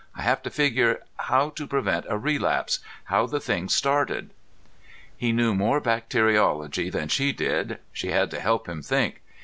I have to figure how to prevent a relapse, how the thing started." He knew more bacteriology than she did; she had to help him think.